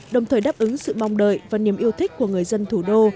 đồng thời đáp ứng sự mong đợi và niềm yêu thích của người dân thủ đô